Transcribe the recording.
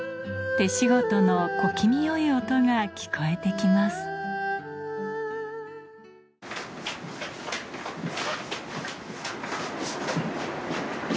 手仕事の小気味よい音が聞こえてきますああ！